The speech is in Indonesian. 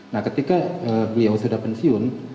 nah ketika beliau sudah pensiun apa yang akan terjadi